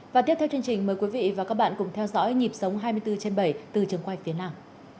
và tiếp theo chương trình mời quý vị và các bạn cùng theo dõi nhịp sống hai mươi bốn trên bảy từ trường quay phía nam